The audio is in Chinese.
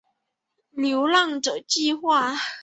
流浪者计画